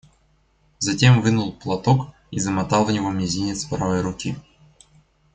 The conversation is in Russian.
Затем вынул платок и замотал в него мизинец правой руки.